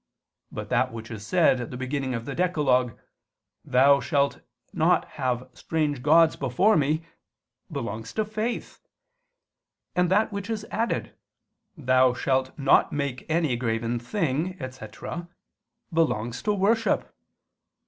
But that which is said at the beginning of the decalogue, "Thou shalt not have strange gods before Me," belongs to faith: and that which is added, "Thou shalt not make ... any graven thing," etc. belongs to worship.